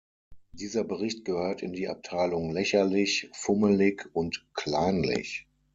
Dieser Bericht gehört in die Abteilung lächerlich, fummelig und kleinlich.